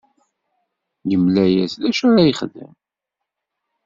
Yemla-as d acu ara yexdem.